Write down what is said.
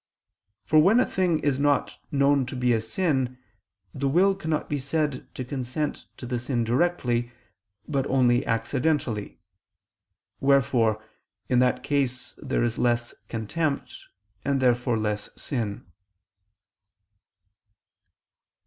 For when a thing is not known to be a sin, the will cannot be said to consent to the sin directly, but only accidentally; wherefore, in that case there is less contempt, and therefore less sin.